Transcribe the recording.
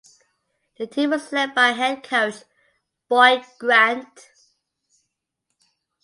The team was led by head coach Boyd Grant.